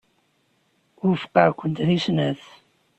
Wufqeɣ-kent deg snat.